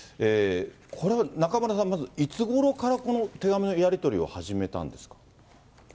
これ、中村さん、いつごろからこの手紙のやり取りを始めたんですか。